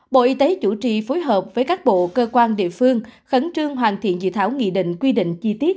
bộ y tế chủ trì phối hợp với các bộ cơ quan địa phương khẩn trương hoàn thiện dự thảo nghị định quy định chi tiết